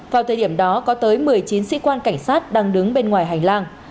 vào thời điểm đó có tới một mươi chín sĩ quan cảnh sát đang đứng bên ngoài hành lang